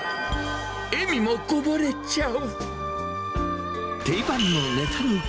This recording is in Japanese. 笑みもこぼれちゃう。